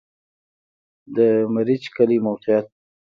د مريچ کلی موقعیت